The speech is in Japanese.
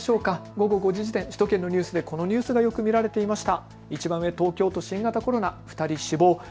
午後５時時点、首都圏のニュースでこのニュースがよく見られていました。